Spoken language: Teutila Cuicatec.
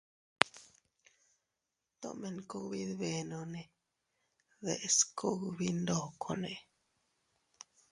Tomen kugbi dbenonne deʼes kugbi ndokonne.